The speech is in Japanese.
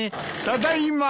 ただいま。